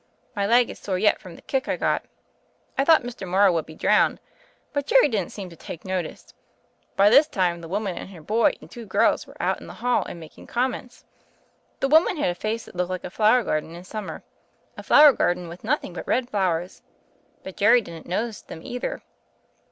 My leg is sore yet from the kick I got. I thought Mr. Morrow would be drowned, but Jerry didn't seem to take notice. By this time the woman and her boy and two girls were out in the hall, and making comments. The woman had a face that looked like a flower garden in summer — a flower garden with nothing but red flowers. But Jerry didn't notice them either.